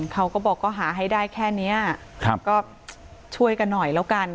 เขาก็บอกก็หาให้ได้แค่นี้ก็ช่วยกันหน่อยแล้วกัน